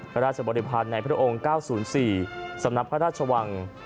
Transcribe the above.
พระราชบริพันธ์ในพระองค์๙๐๔สำนักพระราชวัง